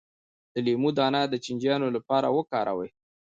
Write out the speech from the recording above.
د لیمو دانه د چینجیانو لپاره وکاروئ